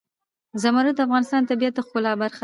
زمرد د افغانستان د طبیعت د ښکلا برخه ده.